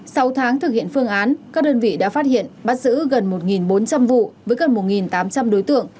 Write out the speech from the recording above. sau tháng thực hiện phương án các đơn vị đã phát hiện bắt giữ gần một bốn trăm linh vụ với gần một tám trăm linh đối tượng